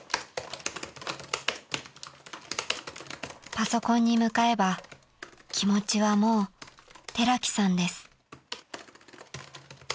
［パソコンに向かえば気持ちはもう寺木さんです］